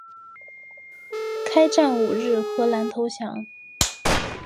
开战五日荷兰投降。